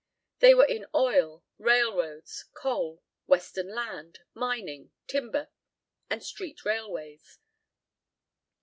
They were in oil, railroads, coal, western land, mining, timber, and street railways.